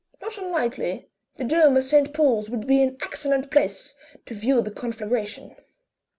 "Not unlikely; the dome of St. Paul's would be an excellent place to view the conflagration."